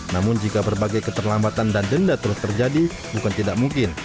namun jika berbagai keterlambatan dan denda terus terjadi bukan tidak mungkin